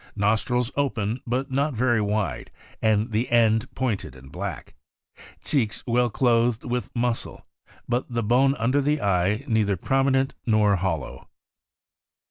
Nostrils open, but not very wide, and the end pointed and black; cheeks well clothed with muscle, but the bone under the eye neither prominent nor hollow.